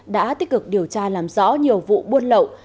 đã tích cực điều tra làm rõ nhiều vụ buôn lậu